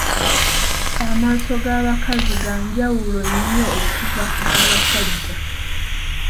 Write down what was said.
Amaaso ga bakazi ga njawulo nnyo okuva ku ga basajja.